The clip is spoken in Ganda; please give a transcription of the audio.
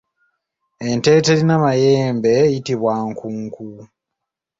Ente eterina mayembe eyitibwa nkunku.